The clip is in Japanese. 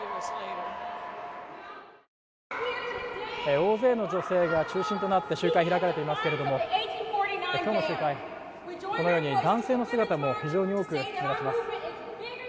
大勢の女性が中心となって集会開かれていますけども今日の集会、このように男性の姿も非常に多く見られます。